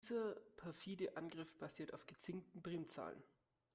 Dieser perfide Angriff basiert auf gezinkten Primzahlen.